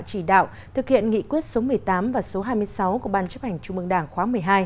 chỉ đạo thực hiện nghị quyết số một mươi tám và số hai mươi sáu của ban chấp hành trung mương đảng khóa một mươi hai